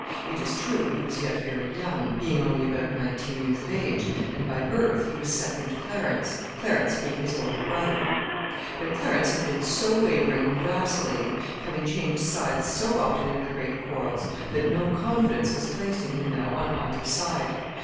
It is true, he was yet very young, being only about nineteen years of age, and by birth he was second to Clarence, Clarence being his older brother. But Clarence had been so wavering and vacillating, having changed sides so often in the great quarrels, that no confidence was placed in him now on either side.